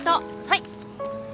はい。